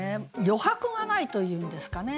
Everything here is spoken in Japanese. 余白がないというんですかね。